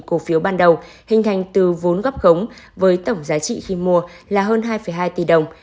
cổ phiếu ban đầu hình thành từ vốn gấp khống với tổng giá trị khi mua là hơn hai hai tỷ đồng